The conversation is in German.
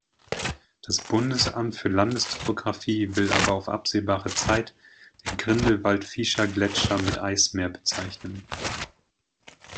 Das Bundesamt für Landestopografie will aber auf absehbare Zeit den Grindelwald-Fieschergletscher mit "Eismeer" bezeichnen.